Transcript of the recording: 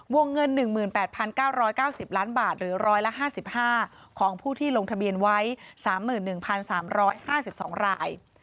วงเงิน๑๘๙๙๐ล้านบาทหรือ๑๕๕ของผู้ที่ลงทะเบียนไว้๓๑๓๕๒ราย